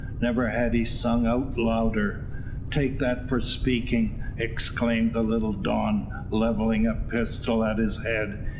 Never had he sung out louder. "Take that for speaking," exclaimed the little Don, levelling a pistol at his head.